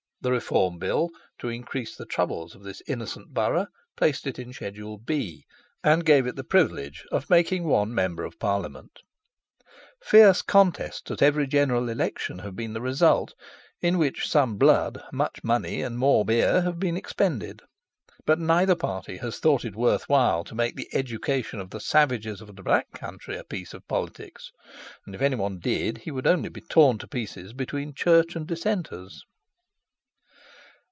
The Reform Bill, to increase the troubles of this innocent borough, placed it in schedule B, and gave it the privilege of making one M.P. Fierce contests at every general election have been the result, in which some blood, much money, and more beer, have been expended. But neither party has thought it worth while to make the education of the savages of the Black Country a piece of politics, and, if any one did, he would only be torn to pieces between Church and Dissenters.